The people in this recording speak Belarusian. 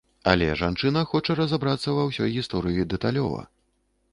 Але жанчына хоча разабрацца ва ўсёй гісторыі дэталёва.